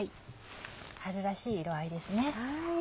春らしい色合いですね。